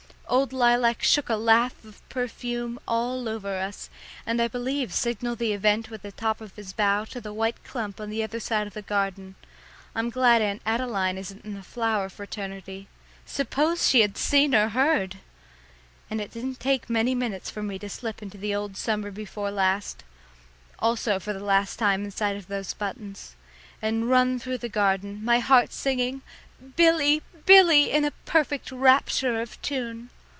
Old Lilac shook a laugh of perfume all over us, and I believe signalled the event with the top of his bough to the white clump on the other side of the garden. I'm glad Aunt Adeline isn't in the flower fraternity. Suppose she had seen or heard! And it didn't take many minutes for me to slip into old summer before last also for the last time inside of those buttons and run through the garden, my heart singing, "Billy, Billy," in a perfect rapture of tune.